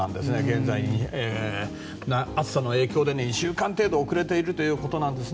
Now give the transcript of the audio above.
現在、暑さの影響で２週間程度遅れているということなんです。